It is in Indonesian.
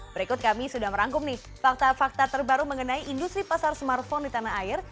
berikut kami sudah merangkum nih fakta fakta terbaru mengenai industri pasar smartphone di tanah air